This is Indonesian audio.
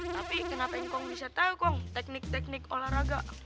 tapi kenapa kong bisa tau kong teknik teknik olahraga